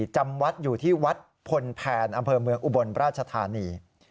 จำวัดอยู่ที่วัดพลแพนอำเภอเมืองอุบลราชธานี